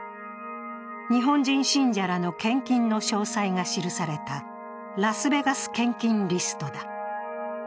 日本人信者らの献金の詳細が記されたラスベガス献金リストだ。